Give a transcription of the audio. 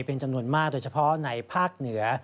เป็นจำนวนมากโดยเฉพาะในภาคเหนือ